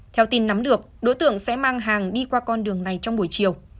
theo tin nắm được đối tượng sẽ mang hàng đi qua con đường này trong buổi chiều